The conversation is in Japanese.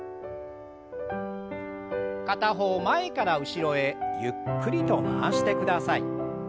片方前から後ろへゆっくりと回してください。